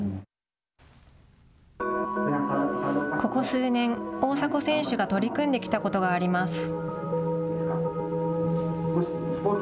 ここ数年、大迫選手が取り組んできたことがあります。